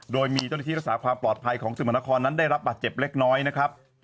โดยมีเจ้าหน้าที่รักษาความปลอดภัยของสมนครนั้นได้รับบาดเจ็บเล็กน้อยนะครับ